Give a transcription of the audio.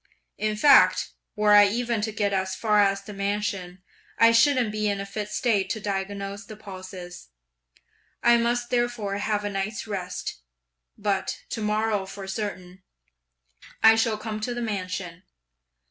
In fact were I even to get as far as the mansion, I shouldn't be in a fit state to diagnose the pulses! I must therefore have a night's rest, but, to morrow for certain, I shall come to the mansion.